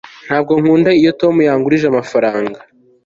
ntabwo nkunda iyo tom yangurije amafaranga